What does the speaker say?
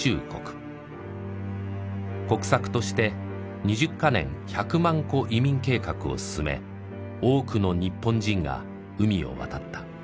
国策として二十カ年百万戸移民計画を進め多くの日本人が海を渡った。